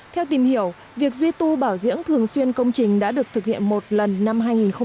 theo tìm hiểu việc duy tu bảo dưỡng thường xuyên công trình đã được thực hiện một lần năm hai nghìn một mươi